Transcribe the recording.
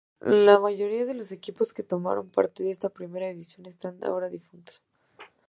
La mayoría de equipos que tomaron parte en esta primera edición están ahora difuntos.